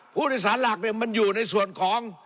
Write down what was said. ผู้โดยสารหลักเนี่ยมันอยู่ในส่วนของ